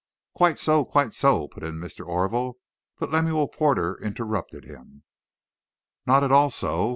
"Quite so, quite so," put in Mr. Orville; but Lemuel Porter interrupted him. "Not at all so.